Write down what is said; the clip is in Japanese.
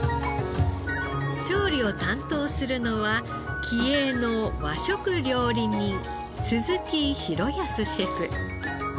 調理を担当するのは気鋭の和食料理人鈴木啓泰シェフ。